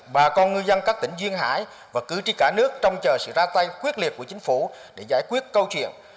bà con ngư dân các tỉnh duyên hải và cứ trí cả nước trong chờ sự ra tay quyết liệt của chính phủ để giải quyết câu chuyện